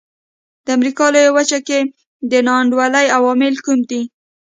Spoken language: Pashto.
د امریکا لویه وچه کې د نا انډولۍ عوامل کوم دي.